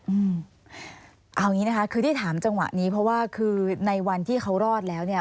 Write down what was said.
อืมเอาอย่างนี้นะคะคือที่ถามจังหวะนี้เพราะว่าคือในวันที่เขารอดแล้วเนี่ย